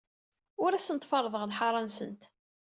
Ur asent-ferrḍeɣ lḥaṛa-nsent.